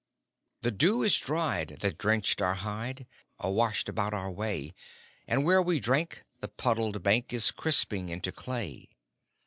_" The dew is dried that drenched our hide, Or washed about our way; And where we drank, the puddled bank Is crisping into clay.